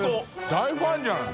大ファンじゃない。